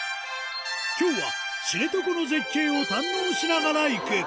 きょうは知床の絶景を堪能しながら行く。